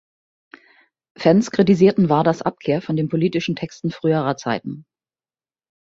Fans kritisierten Waders Abkehr von den politischen Texten früherer Zeiten.